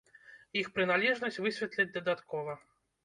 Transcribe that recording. Іх прыналежнасць высветляць дадаткова.